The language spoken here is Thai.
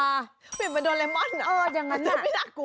เหลียนมันโดรนไลมอนเหรอมันจะไม่น่ากลัว